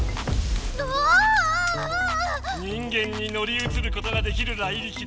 人間にのりうつることができるライリキだ。